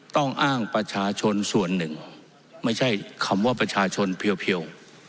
ต้องอ้างประชาชนส่วนหนึ่งไม่ใช่คำว่าประชาชนเพียว